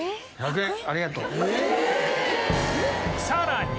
さらに